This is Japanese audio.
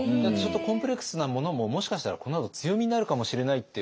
コンプレックスなものももしかしたらこのあと強みになるかもしれないっていう。